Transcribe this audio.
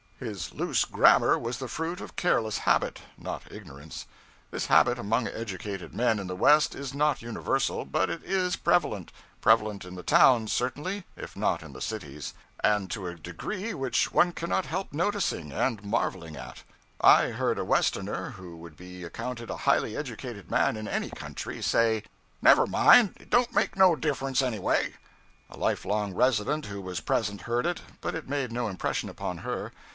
His loose grammar was the fruit of careless habit, not ignorance. This habit among educated men in the West is not universal, but it is prevalent prevalent in the towns, certainly, if not in the cities; and to a degree which one cannot help noticing, and marveling at. I heard a Westerner who would be accounted a highly educated man in any country, say 'never mind, it don't make no difference, anyway.' A life long resident who was present heard it, but it made no impression upon her.